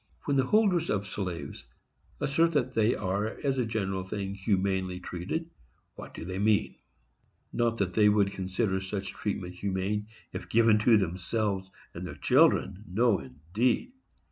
_ When the holders of slaves assert that they are, as a general thing, humanely treated, what do they mean? Not that they would consider such treatment humane if given to themselves and their children,—no, indeed!